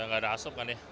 ya gak ada asup kan ya